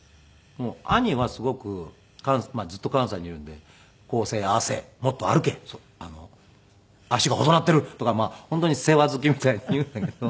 兄はすごくずっと関西にいるんでこうせえああせえもっと歩け足が細なってるとか本当に世話好きみたいに言うんだけど。